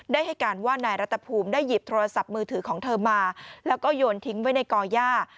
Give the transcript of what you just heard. ให้การว่านายรัฐภูมิได้หยิบโทรศัพท์มือถือของเธอมาแล้วก็โยนทิ้งไว้ในก่อย่า